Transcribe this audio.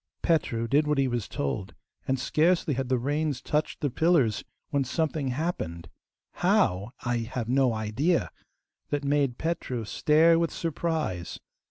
Petru did what he was told, and scarcely had the reins touched the pillars when something happened HOW I have no idea that made Petru stare with surprise.